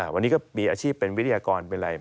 วันนี้ก็มีอาชีพเป็นวิทยากรเป็นอะไร